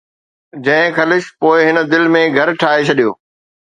جنهن خلش پوءِ هن دل ۾ گهر ٺاهي ڇڏيو